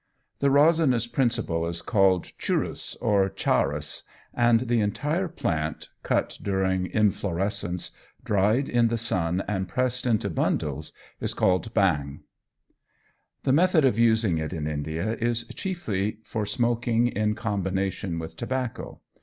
The resinous principle is called churrus or charas, and the entire plant, cut during inflorescence, dried in the sun and pressed into bundles, is called bhang. The method of using it in India is chiefly for smoking in combination with tobacco.